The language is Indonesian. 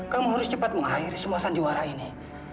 kamu harus cepat mengakhiri sumasan juara ini